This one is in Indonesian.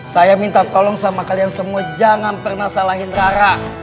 saya minta tolong sama kalian semua jangan pernah salahin rara